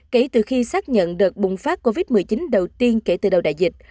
kể từ khi xác nhận đợt bùng phát covid một mươi chín đầu tiên kể từ đầu đại dịch